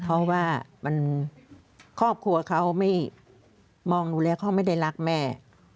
เพราะว่าครอบครัวเขาไม่มองดูแลเขาไม่ได้รักแม่